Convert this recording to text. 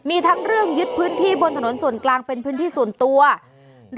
มีทั้งเรื่องยึดพื้นที่บนถนนส่วนกลางเป็นพื้นที่ส่วนตัว